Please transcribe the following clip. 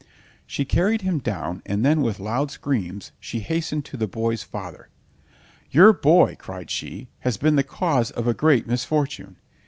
She carried him down, and then with loud screams she hastened to the boy's father. "Your boy," cried she, "has been the cause of a great misfortune!